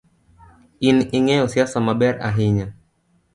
In ingeyo siasa maber ahinya.